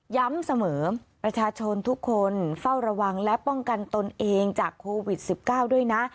ย้ำเสมอประชาชนทุกคนเฝ้าระวังและป้องกันตนเองจากโควิด๑๙ด้วยนะ